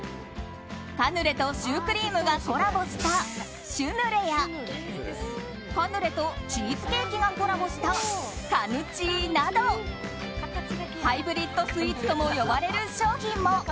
カヌレとシュークリームがコラボしたシュヌレやカヌレとチーズケーキがコラボしたカヌチーなどハイブリットスイーツとも呼ばれる商品も。